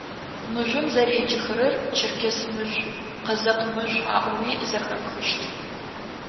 Мыжъом зэреджэхэрэр «Черкес мыжъу», «Къэзэкъ мыжъу» аӏоуи зэхэпхыщт.